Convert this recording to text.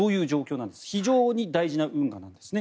非常に大事な運河なんです。